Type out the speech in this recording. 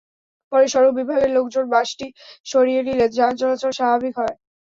পরে সড়ক বিভাগের লোকজন বাসটি সরিয়ে নিলে যান চলাচল স্বাভাবিক হয়।